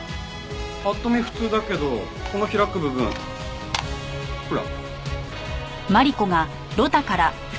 パッと見普通だけどこの開く部分ほら。